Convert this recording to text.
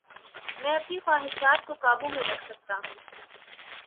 میں اپنی خواہشات کو قابو میں رکھ سکتا ہوں